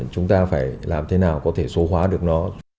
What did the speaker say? chúng ta phải làm thế nào có thể số hóa được nó